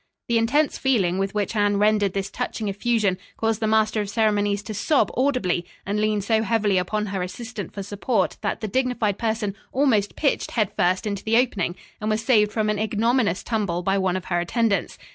The intense feeling with which Anne rendered this touching effusion, caused the master of ceremonies to sob audibly and lean so heavily upon her assistant for support that that dignified person almost pitched head first into the opening, and was saved from an ignominious tumble by one of her attendants.